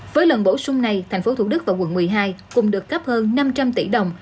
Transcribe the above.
với lần bổ sung này thành phố thủ đức và quận một mươi hai cùng được cấp hơn năm trăm linh tỷ đồng